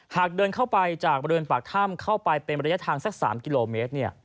หากเดินเข้าไปจากบริเวณปากถ้ำเข้าไปเป็นระยะทางสัก๓กิโลเมตร